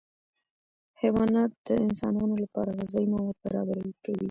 حیوانات د انسانانو لپاره غذایي مواد برابر کوي